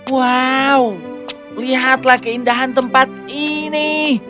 wow lihatlah keindahan tempat ini